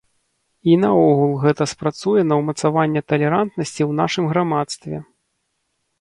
І наогул гэта спрацуе на ўмацаванне талерантнасці ў нашым грамадстве.